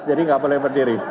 jadi gak boleh berdiri